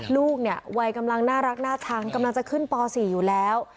ลูกเนี่ยวัยกำลังน่ารักน่าชังกำลังจะขึ้นป๔อยู่แล้ว